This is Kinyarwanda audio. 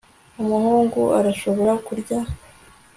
umuhungu arashobora kurya